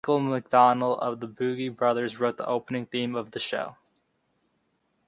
Most of the town's schools and neo-gothic buildings date from that period.